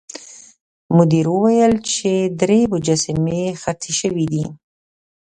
مدیر وویل چې درې مجسمې خرڅې شوې دي.